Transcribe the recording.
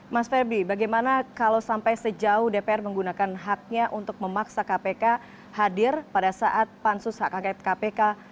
mas ferdi bagaimana kalau sampai sejauh dpr menggunakan haknya untuk memaksa kpk hadir pada saat pansus hak angket kpk